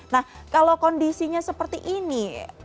nah kalau kondisinya seperti ini